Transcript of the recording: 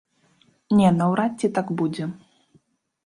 Не, наўрад ці так будзе.